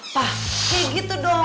pak kayak gitu dong